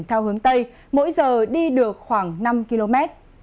theo hướng tây mỗi giờ đi được khoảng năm km